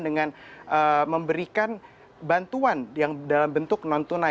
dengan memberikan bantuan yang dalam bentuk non tunai